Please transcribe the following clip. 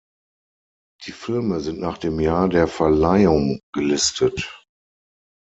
Die Filme sind nach dem Jahr der Verleihung gelistet.